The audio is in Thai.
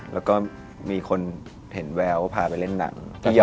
แล้วก็มีคนเห็นแววว่าพาไปเล่นหนัง